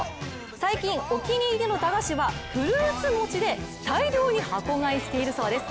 最近、お気に入りの駄菓子はフルーツ餅で大量に箱買いしているそうです。